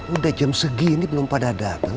udah jam segini belum pada datang